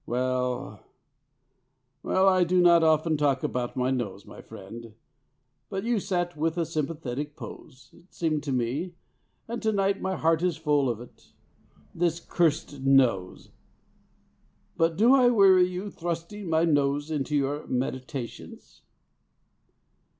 Well, well. I do not often talk about my nose, my friend, but you sat with a sympathetic pose, it seemed to me, and to night my heart is full of it. This cursed nose! But do I weary you, thrusting my nose into your meditations?"